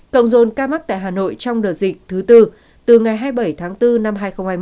cộng dồn ca mắc tại hà nội trong đợt dịch thứ tư từ ngày hai mươi bảy tháng bốn năm hai nghìn hai mươi